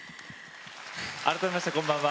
改めましてこんばんは。